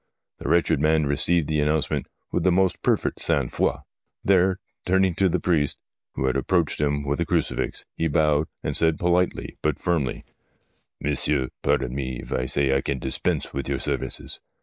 The wretched man received the announcement with the most perfect sang froicl. Then turning to the priest, who had approached him with a crucifix, he bowed, and said, politely but firmly :' Monsieur, pardon me if I say I can dispense with your services.